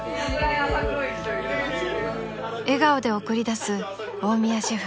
［笑顔で送り出す大宮シェフ］